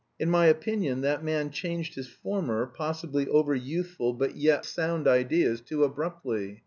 In my opinion that man changed his former, possibly over youthful but yet sound ideas, too abruptly.